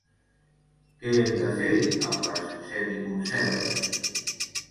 Què hem de fer amb les semiconserves?